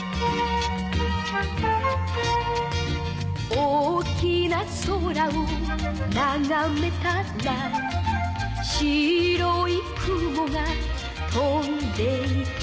「大きな空をながめたら」「白い雲が飛んでいた」